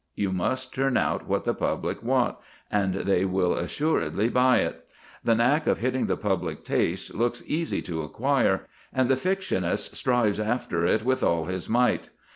You must turn out what the public want, and they will assuredly buy it. The knack of hitting the public taste looks easy to acquire, and the fictionist strives after it with all his might.